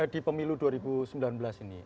di pemilu dua ribu sembilan belas ini